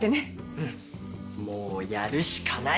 うんもうやるしかない！